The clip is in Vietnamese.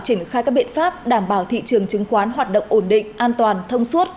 triển khai các biện pháp đảm bảo thị trường chứng khoán hoạt động ổn định an toàn thông suốt